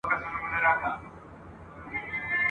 د کتاب لوستل يوازي زده کړه نه ده بلکې د فکر روزنه هم ده !.